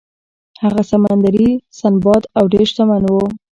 هغه سمندري سنباد و او ډیر شتمن و.